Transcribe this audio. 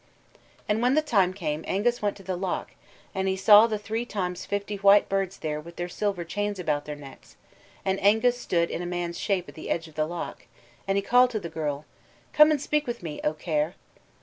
"And when the time came Angus went to the loch, and he saw the three times fifty white birds there with their silver chains about their necks, and Angus stood in a man's shape at the edge of the loch, and he called to the girl: 'Come and speak with me, O Caer!'